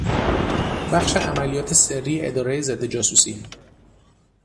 بخش عملیات سری ادارهی ضد جاسوسی